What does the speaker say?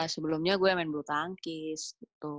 sebelumnya gue main bulu tangkis gitu